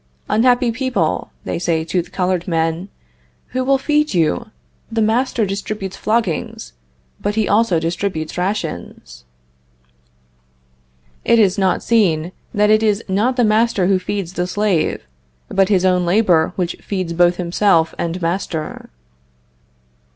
"Unhappy people," they say to the colored men, "who will feed you? The master distributes floggings, but he also distributes rations." It is not seen that it is not the master who feeds the slave, but his own labor which feeds both himself and master.